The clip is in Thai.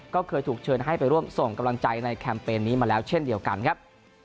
ก็เคยถูกเชิญให้ไปร่วมส่งกำลังใจในแคมเปญนี้มาแล้วเช่นเดียวกันครับ